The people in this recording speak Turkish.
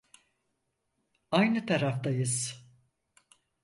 Aynı taraftayız.